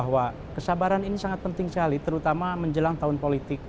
bahwa kesabaran ini sangat penting sekali terutama menjelang tahun politik